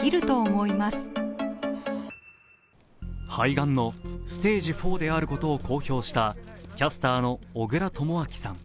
肺がんのステージ４であることを公表したキャスターの小倉智昭さん。